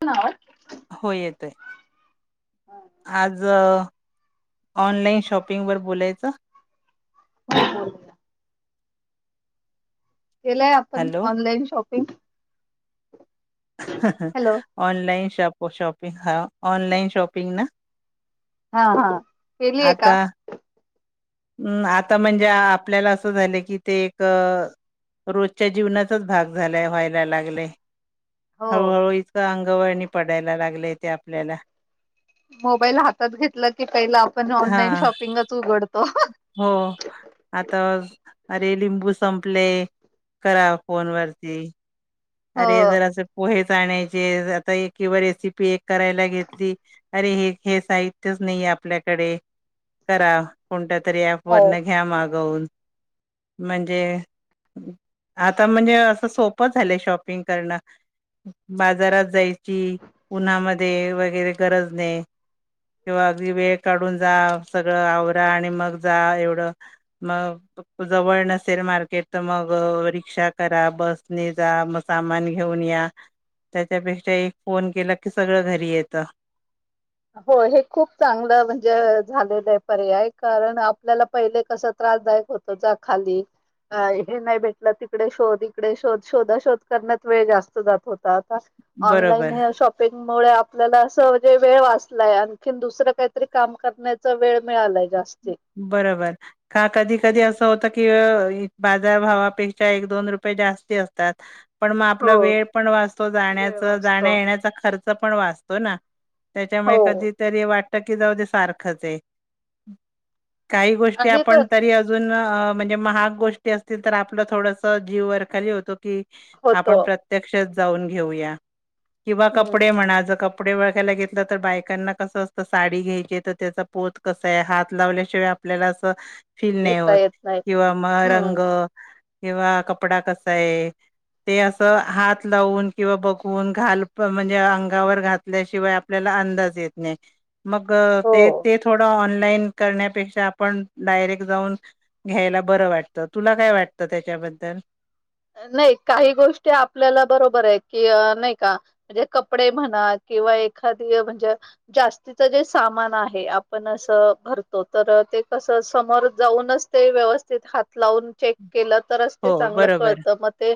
येतोय ना आवाज? हो, येत आहे. आज ऑनलाइन शॉपिंग वर बोलायचं? [unintelligible] केलाय, आपण हॅलो. Online shopping? ह हं हॅलो ऑनलाइन शॉप- शॉपिंग हा ऑनलाइन शॉपिंग ना? हा हा, केलीय का? हम आता म्हणजे आपल्याला असं झालं की ते एक रोजच्या जीवनाचाच भाग झालाय, व्हायला लागलाय. हळूहळू इतकं अंगवळी पडायला लागलय तेे आपल्याला मोबाईल हातात घेतला की पहिलं आपण हा ऑनलाईन शॉपिंगच उघडतो. हो आता [unintelligible] ते लिंबू संपले करा फोन वरती हो अरे जर असं पोहेच च आणायचे आता किंवा रेसिपी एक करायला घेतली अरे हे साहित्यच नाहीये. आपल्याकडे करा कोणत्या तरी ॲप हो वरनं घ्या मग जाऊन म्हणजे आता म्हणजे असं सोपं झालंय शॉप पिंग करण बाजारात जायची उन्हामध्ये वगेरे वगैरे गरज नाही. किंवा अगदी वेळ काढून जा, सगळं आवरा आणि मग जा एवढं मग जवळ नसेल मार्केट तर मग रिक्षा करा बसने जा मग सामान घेऊन या. त्याच्यापेक्षा एक फोन केला की सगळं घरी येत. हो हे खूप चांगलं म्हणजे झालेलं आहे, पर्याय कारण आपल्याला पहिले कस त्रास? त्रासदायक होत जा खाली अ हे नाही भेटलं तिकडे शोध इकडे, शोध शोधा शोध करण्यात वेळ जास्त जात होता. बरोबर ऑनलाईन ह्या शॉपिंग मुळे आपल्याला असं म्हणजे वेळ वाच लाय आणखीन दुसरं काहीतरी काम करण्याचा वेळ मिळालाय. जास्ती बरोबर का कधी कधी असं होत की, अ बाजारभवापेक्षा एक दोन रुपये जास्ती असतात. पण मग आपला हो वेळ पण वाचतो, वेळ जाण्याच वाचतो जाण्यायेण्याचा खर्च पण वाचतो ना. त्याच्यामुळे हो कधीतरी वाटत की जाऊ दे सारखंच हाए काही गोष्टी आणि आपण तर तरी अजून अं म्हणजे महाग गोष्टी असतील, तर आपलं थोडस जीव वरखाली होतो. हुं कि होतो आपण प्रत्यक्षच जाऊन घेऊया किंवा हम्म कपडे म्हणा ज कपडे ओळखायला घेतला तर बायकांना कसं असतं, साडी घ्यायचे तर त्याचा पोत कस तय हात लावल्याशिवाय आपल्याला. अ फील नाही घेता होत येत नाही किंवा म हम्म रंग. किंवा कपडा कसा हाए? ते असं हात लावून किंवा बघवून घाल म्हणजे, अंगावर घातल्याशिवाय आपल्याला अंदाज येत नाही मग हो ते ते थोडं ऑनलाइन करण्यापेक्षा आपण डायरेक्ट जाऊन घ्यायला बर वाटत. तुला काय वाटत? त्याच्याबद्दल. नाही काही गोष्टी आपल्याला बरोबर आहे, की नाही का म्हणजे कपडे म्हणा किंवा एखादी म्हणजे जास्तीच जे सामान आहे, आपण असं भरतो तर अ ते कस समोर जाऊनच ते व्यवस्थित हात लावून चेक केलं तरच ते हो चांगलं बरोबर कळत मग ते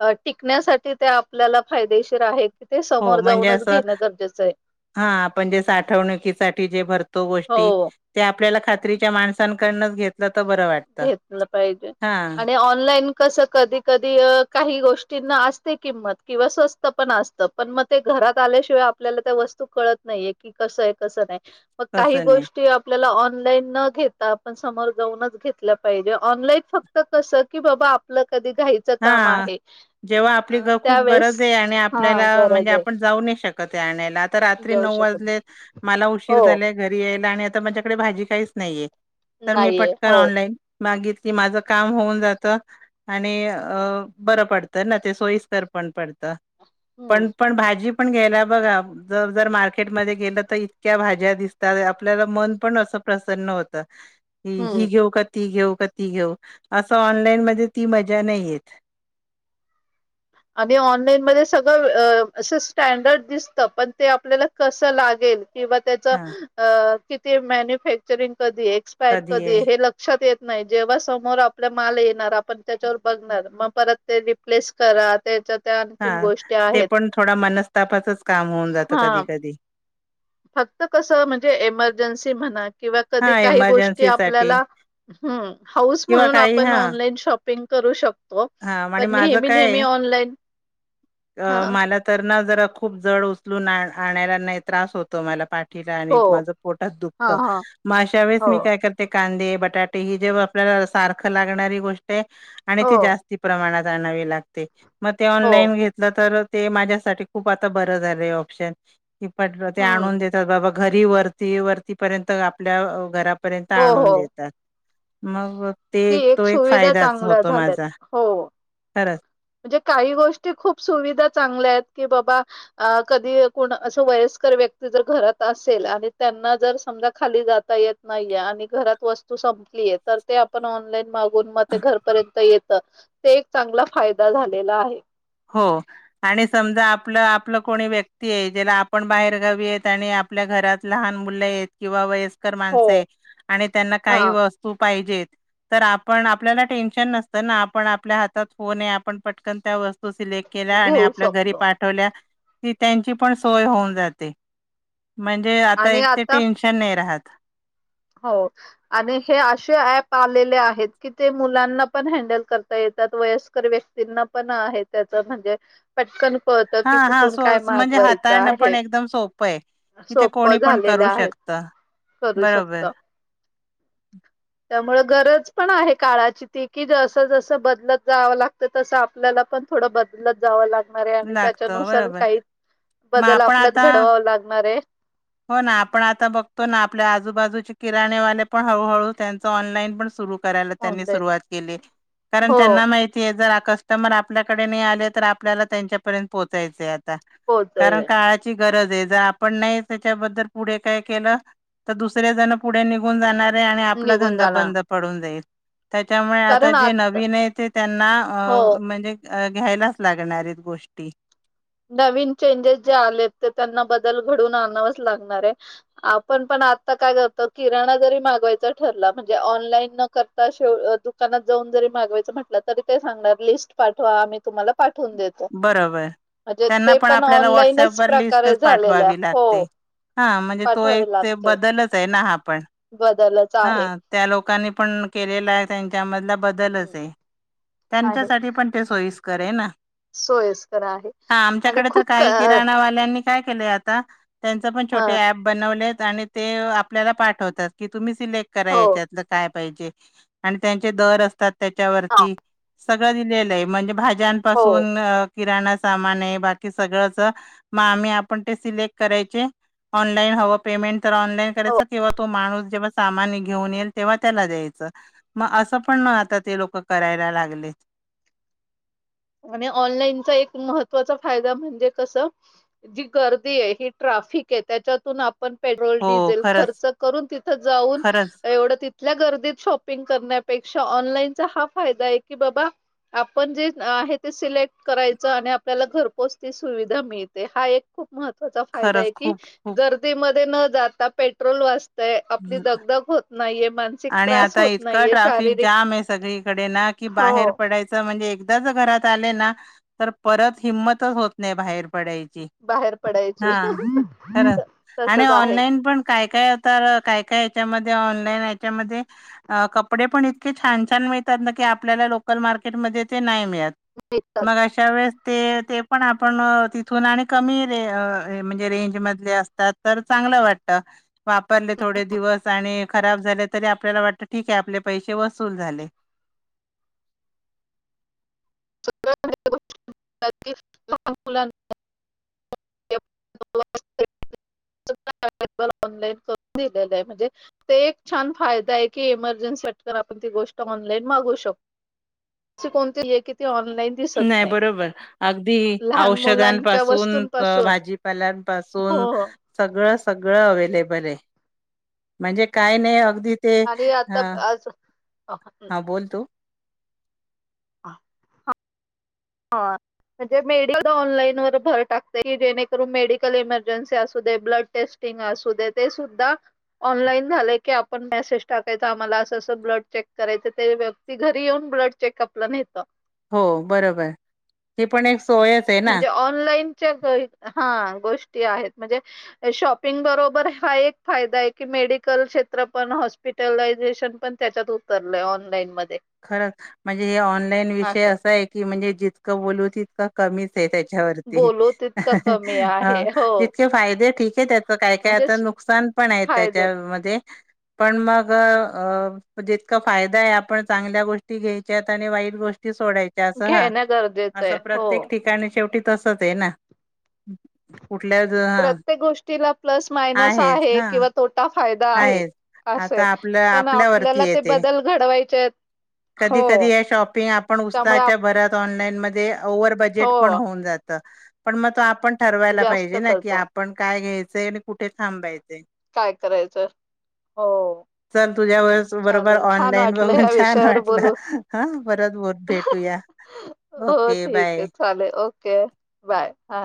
अ टिकण्यासाठी ते आपल्याला फायदेशीर आहे की, ते हो समोर म्हणजे जाऊनच असं घेणं गरजेचं आहे. हा आपण जे साठवणुकीसाठी जे भरतो गोष्टी हो त्या. आपल्याला खात्रीच्या माणसांकडनच घेतलं. तर बरं वाटतं घेतलं पाहिजे हा आणि ऑनलाईन कस कधी कधी काही गोष्टी तेणा असतय किंमत किंवा स्वस्त पण असत पण, मग ते घरात आल्याशिवाय आपल्याला त्या वस्तू कळत नाही. नाहीए की कसं आहे. कसं नाही. मग काही तसं नाही गोष्टी आपल्याला ऑनलाईन न न घेता आपण समोर जाऊनच घेत. घेतलं पाहिजे ऑनलाईन फक् घात कस, की बाबा आपलं कधी घाईचं काम हा आहे. जेव्हा आपली खूप ग त्यावेेळेस गरज आहे, आणि हा आपल्याला म्हणजे गरज आहे आपण जाऊ नाही शकत. आणायला रात्री जाऊ नऊ शकत वाजले मला उशीर हो झाला घरी यायला आणि आता माझ्याकडे भाजी काहीच नाहीये तर मी नाहीये पटकन हो ऑनलाईन मागितली माझं काम होऊन जात आणि अ बर पडत ना, ते सोईस्कर पण पडत, हम्म पण पण भाजी- पण घ्यायला बगा, मार्केट मध्ये गेलं तर इतक्या भाज्या दिसतात, आपल्याला मन पण अस प्रसन्न होत. हम्म ही घेऊ का? ती घेऊ का ती घेऊ? असं ऑनलाईन मध्ये ती मजा नाहीेये आणि ऑनलाईन मध्ये सगळं असं स्टँडर्ड दिसतं पण ते आपल्याला कसं लागेल? किंवा त्याच हा किती मॅन्युफॅक्चरिंग कधी एक्सपायर कधी हे लक्षात येत. नाही जेव्हा समोर आपल्या माल येणार, आपण त्याच्यावर बघणार, मग परत ते रिप्लेस करा त्याच्या त्या हा, आणखीन गोष्टी ते आहेत पण थोडा मनस्तापाचच काम होऊन जातं कधी हा कधी फक्त कसं म्हणजे, एमर्जन्सी म्हणा किंवा हा कधी काही गोष्टी इमर्जन्सी साठी आपल्याला हाऊस किंवा म्हणून काही आपण हा ऑनलाईन शॉपिंग करू शकतो, हा आणि पण माझं नेहमी काय आहे नेहमी ऑन ऑनलाइन अ मला तर ना, जर खूप जड उचलून आणायला नाही त्रास होतो मला पाठ हो माझ पोट हा दुखत, हा अशा वेळेस हो मी काय करते कांदे, बटाटे, ही जेव्हा आपल्याला सारखं लागणारी गोष्ट आहे, आणि ते हो जास्ती प्रमाणात. आणावी लागते, मग ती हो ऑनलाईन घेतल तर ते माझ्यासाठी खूप आता बरं झालंय ऑप्शन ते हम्म आणून देतात बाबा घरी वरती वरतीपर्यंत आपल्या घरापर्यंत हो आणून हो देतात. मग ते, ती तो एक सुविधा फायदाच चांगल्या होतो झाल्यात माझा. हो खरंच म्हणजे काही गोष्टी खूप सुविधा चांगल्या आहेत, की बाबा कधी अस व्यय व्यक्ती जर घरात असेल, आणि त्यांना जर समजा खाली जाता येत नाहीये आणि घरात वस्तू संपलीये, तर ते आपण ऑनलाईन मागून मध्ये घरपर्यंत येतं ते एक चांगला फायदा झालेला आहे. हो, आणि समजा आपलं आपलं कोणी व्यक्ती आहे ज्याला आपण बाहेर गावीेत आणि आपल्या घरात लहान मुले आहेत, किंवा वयस्कर हो माणस आहे आणि त्यांना काही हा वस्तू पाहिज तर आपण आपल्याला टेन्शन नसतं ना, आपण आपल्या हातात फोने आपण पटकन त्या वस्तू तो सिलेट केल्या, आणि घेऊ आपल्या घरी शकतो पाठवल्या. ती त्यांची पण सोय होऊन जाते, म्हणजे आता एक ते टेन्शन नाही राहत. हो. आणि हे असे ऍप आलेले आहेत की, ते मुलांना पण हँडल करता येत. वयस्कर व्यक्तींना पण आहे, त्याच म्हणजे पटकन कळत हा की हा कुठून सो काय म्हणजे मागवायचं हाताळणं पण आहे. एकदम सोपं आहे. कि ते सोप कोणी पण करू झालेल्या आहे, शकत करू बरोबर शकतो त्यामुळे गरज पण आहे, काळाची ती की जसं जसं बदलत जावं लागतं तसं आपल्याला पण थोडं बदलत जावं लागत [unintelligible] आणि लागत त्याच्यानुसार बरोबर काही मग बदल आपण आपल्यात आता घडवावा लागणार आहे. हो ना, आपण आता बघतो ना आपल्या आजूबाजूचे किराणेवाले पण हळूहळू त्यांच ऑनलाईन पण सुरू करायला त्यांनी ऑनलाईन सुरुवात केली, कारण हो त्यांना माहिती जर आता कस्टमर आपल्याकडे नाही आले तर, आपल्याला त्यांच्या पर्यंत पोहोचायच आहे आता कारण पोहोचले काळाची गरज आहे. जर आपण नाही त्याच्याबद्दल पुढे काय केलं तर दुसऱ्या जण पुढे निघून जाणार. आणि आपला निघून धंदा जाणार बंद पडून जाईल. त्याच्यामुळे आता जे नवीन आहे ते त्यांना हो अ म्हणजे, अ घ्यायलाच लागणार आहेत. गोष्टी नवीन चेंजेस जे आले ते त्यांना बदल घडून आणावच लागणार आहे. आपण पण आ काय करतो किराणा जरी मागवायचा ठरला, म्हणजे ऑनलाईन न करता दुकानात जाऊन जरी मागवायचे म्हणलं तरी, ते सांगणार लिस्ट पाठवा आम्ही तुम्हाला पाठवुन देऊ बरोबर, त्यांना पण आपल्याला ऑनलाईनच वॉट्सअपवर लिस्टच प्रकारे झालेल्या पाठवावी हो लागते. हा, म्हणजे तो पाठवाय एक ते लागते. बदलच आहे. हो, ना हा पण बदलच हा आहे त्या लोकांनी पण केलेला आहे त्यांच्या मधला बदलच आहे, आहे त्यांच्यासाठी पण ते सोयीस्कर आहे ना. सोयस्कर आहे. हा, आणि आमच्याकडे तर खूप क काही किराणावाल्यांनी काय केलय? आता त्यां पण हा छोट ॲप बनवले आहेत आणि ते आपल्याला पाठवतात तुम्ही सिलेक्ट करा हो याच्यातल काय पाहिजे? आणि त्यांचे दर असतात. त्याच्यावरती सगळं दिलेलं आहे. म्हणजे भाज्या हो पासुन किराणा सामान आहे. बाकी सगळंच मग आम्ही आपण ते सिलेक्ट करायचे. ऑनलाईन हवं पेमेंट तर ऑनलाईन करायच हो किंवा तो माणूस जेव्हा सामान घेऊन येईल. तेव्हा त्याला द्यायचं मग असं पण आता ते लोक करायला लागले. [unintelligible] आणि ऑनलाईनचा एक महत्त्वाचा फायदा म्हणजे कस? जी गर्दी आहे. ही ट्राफिक फीक ये त्याच्यातुन पेट्रोल हो डिझेल खरंच खर्चून तेथ जावून खरंच आपल्या गर्दीत शॉपिंग करण्यापेक्षा ऑनलाईनचा हा फायदा आहे, की बाबा आपण जे आहे. ते सिलेक्ट करायचं आणि आपल्याला घरपोच ती सुविधा मिळते. हा एक खूप महत्त्वाचा फायदा आहे खरंच की खूप खूप गर्दीमध्ये न जाता पेट्रोल वाच ते आपली हं, दगदग होत नाहीये. मानसिक आणि त्रास आता होत इतका नाहीये. ट्राफिक शारीरिक जाम आहे सगळीकडे ना की हो बाहेर पडायच म्हणजे एकदा ज घरात आले ना तर परत हिंमतच होत नाही, बाहेर पडायची... बाहेर पडायचे हा खर तसच आहे ऑनलाईन पण काय काय? काय कायच्या ऑनलानच्या कपडे पण इतके छान छान मिळतात. ना आपल्याला लोकल मार्केट मध्ये नाही मिळत. मग अशा वेळेस ते ते पण आपण तिथून आणि कमी र म्हणजे रेंज मधले असतात. तर चांग वाट वाटत थोडे दिवस आणि खराब झाले. तरी आपल्याला वाटत ठीके आपले पैसे वसूल झाले. [unintelligible] सगळ्याच गोष्टीत लहान मुलांना [inaudible] [inaudible] अवेलेबल ऑनलाईन करून म्हणजे ते एक छान फायदा आहे की इमर्जन्सी वाट गोष्ट ऑनलाइन मागवू शकतो... अशी कोणती नाहीये की ती ऑनलाईन नाही बरोबर अगदी लहान मुलांच्या औषधांपासून, वस्तूंपासून हो भाजीपाल्यांपासून सगळं सगळं अवे्लेबल म्हणजे काही नाही अ ते आणि आता ह आज हा बोलतो हो म्हणजे मेड ऑनलाईन वर भर टाकते की जेणेकरून मेडिकल इमर्जन्सी असू दे ब्लड टेस्ट ऑलान झा आप म टाय आ् करायच ते व्यक्ती घरी येऊन ब्लड चेकअपला नेतं हो बरोबर ते पण एक सोयच आहे ना. म्हणजे ऑनलाईनच्या हा णा म क हॉपिटलाझेशन पण त्याच्यात उतरलंय ऑनलाईन म खरं म्हणजे हे ऑनलाईन विषय असं असा आहे की म्हणजे जितकं बोलू तितकं कमीच त्याच्यावरती बोलू तितकं कमी आहे हो जितके फायदे ठीक आहे त्याच काय काय म्हणजे आता न स- नुकसान पण आहे फायदे त्याच्यामध्ये पण मग अ जितका फायदा आहे आपण चांगल्या गोष्टी घ्यायच्यात आणि वाईट गोष्टी सोडायच्या असं हा घेणं गरजेचं आहे असं हो प्रत्येक ठिकाणी शेवटी तसच आहे ना कुठल्या ज हा प्रत्येक गोष्टीला प्लस मायनस आहेच आहे हा किंवा तोटा फायदा आहे असं आता आहे आपलं पण आपल्यावररती आपल्याला य ते बदल घडवायचे आहेत हो कधी कधी या शॉपिंग आपण त्यामुळे उत्साहाच्या आप भरात ऑनलाईन म हो [inaudible] ठरवायला जास्त पाहिजे ना की करतो आपण काय घ्यायचंय आणि कुठे थांबायचे काय करायचं हो चल तुझ्या वळेस बरोबर चालेल छान ऑनलाईन वाटलं बघून ह्या छान विषयावर वाटलं बोलून. ह परत ब भेटूया हो ओके ठीक बाय. आहे चालेल ओके बाय हा